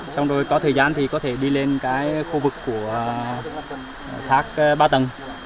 xong rồi có thời gian thì có thể đi lên cái khu vực của thác ba tầng